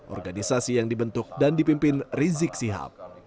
organisasi yang dibentuk dan dipimpin rizik sihab